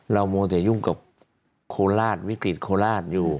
เรามองแต่ยุ่งกับโคลาศวิกฤตโคลาศอยู่